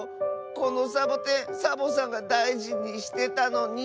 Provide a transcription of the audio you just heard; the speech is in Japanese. このサボテンサボさんがだいじにしてたのに。